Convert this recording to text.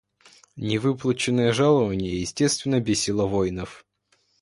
Невыплаченное жалование естественно бесило воинов.